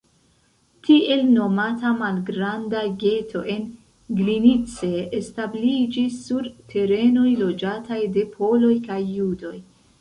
Tiel nomata malgranda geto en Glinice establiĝis sur terenoj loĝataj de poloj kaj judoj.